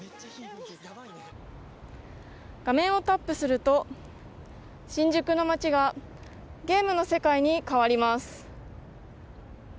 画面をタップすると新宿の街がゲームの世界に変わります。